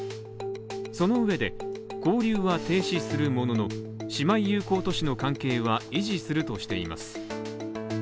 そのうえで、交流は停止するものの、姉妹友好都市の関係は維持するとしています。